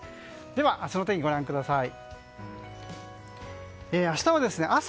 では、明日の天気ご覧ください。